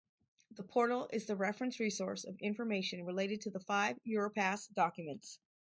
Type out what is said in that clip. The portal is the reference resource of information related to the five Europass documents.